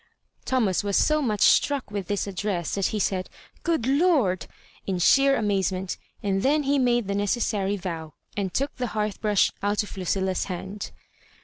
Thomas was so much struck with this ad dress that he said "Good Lord!" in sheer amazement; and then he made the necessar;^ yow, and took the hearth brush out of Lucilla's hand.